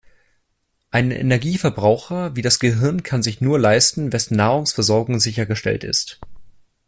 Einen Energieverbraucher wie das Gehirn kann sich nur leisten, wessen Nahrungsversorgung sichergestellt ist.